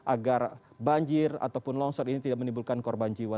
agar banjir ataupun longsor ini tidak menimbulkan korban jiwa